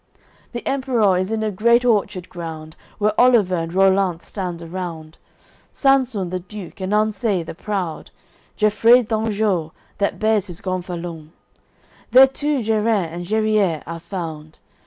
The Emperour is in a great orchard ground Where Oliver and Rollant stand around, Sansun the Duke and Anseis the proud, Gefreid d'Anjou, that bears his gonfaloun; There too Gerin and Geriers are found.